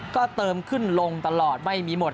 ก็เติมขึ้นลงตลอดไม่มีหมด